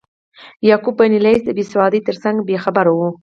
یعقوب بن لیث د بیسوادۍ ترڅنګ بې خبره و.